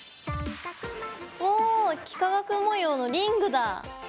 おお幾何学模様のリングだ！